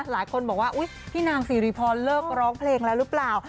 หลายคนบอกว่าพี่นางศรีริพรเลิกร้องเพลงแล้วรึเปล่า